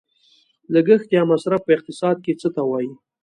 لګښت یا مصرف په اقتصاد کې څه ته وايي؟